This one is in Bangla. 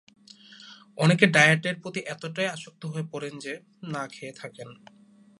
অনেকে ডায়েটের প্রতি এতটাই আসক্ত হয়ে পড়েন যে, না খেয়ে থাকেন।